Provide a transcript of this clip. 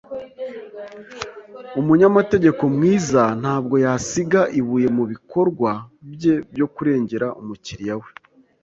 Umunyamategeko mwiza ntabwo yasiga ibuye mu bikorwa bye byo kurengera umukiriya we.